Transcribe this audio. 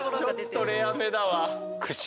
ちょっとレアめだわ。